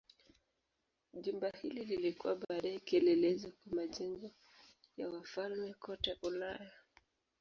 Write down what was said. Jumba hili lilikuwa baadaye kielelezo kwa majengo ya wafalme kote Ulaya.